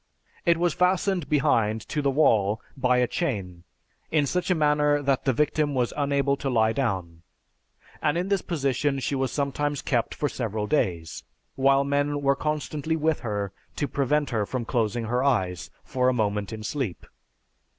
It was fastened behind to the wall by a chain, in such a manner that the victim was unable to lie down, and in this position she was sometimes kept for several days, while men were constantly with her to prevent her from closing her eyes for a moment in sleep.